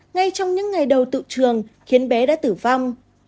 ngay trong những ngày đầu tự trường khiến bé đã tử vong